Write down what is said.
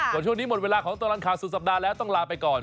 ส่วนช่วงนี้หมดเวลาของตลอดข่าวสุดสัปดาห์แล้วต้องลาไปก่อน